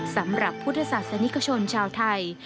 สำหรับพุทธศาสนิกชนชาวไทย